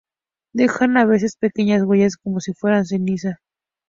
Dejan a veces pequeñas huellas como si fueran ceniza.